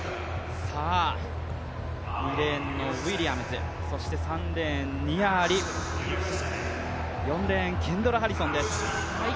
２レーンのウィリアムズ、３レーン、ニア・アリ、４レーン、ケンドラ・ハリソンです。